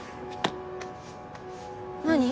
何？